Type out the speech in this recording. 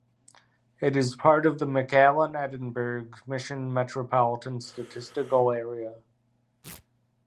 It is part of the McAllen-Edinburg-Mission Metropolitan Statistical Area.